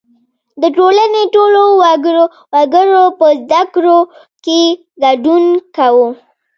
• د ټولنې ټولو وګړو په زدهکړو کې ګډون کاوه.